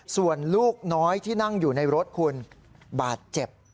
ส่วนลูกน้อยที่นั่งอยู่ในรถคุณบาดเจ็บ